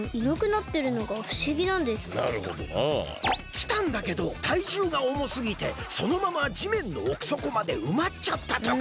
きたんだけどたいじゅうがおもすぎてそのままじめんのおくそこまでうまっちゃったとか。